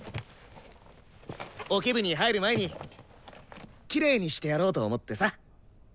オケ部に入る前にきれいにしてやろうと思ってさ。